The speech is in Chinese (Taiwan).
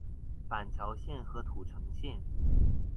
板橋線和土城線